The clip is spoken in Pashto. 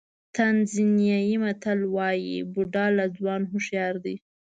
تانزانیايي متل وایي بوډا له ځوان هوښیار دی.